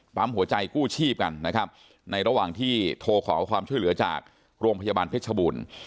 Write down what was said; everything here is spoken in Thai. หัวใจกู้ชีพกันนะครับในระหว่างที่โทรขอความช่วยเหลือจากโรงพยาบาลเพชรบูรณ์